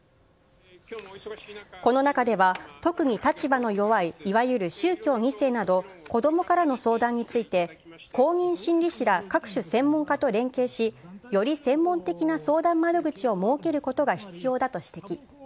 この中では、特に立場の弱いいわゆる宗教二世など、子どもからの相談について、公認心理士ら各種専門家と連携し、より専門的な相談窓口を設けることが必要だと指摘。